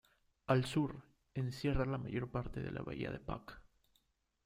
Al sur, encierra la mayor parte de la bahía de Puck.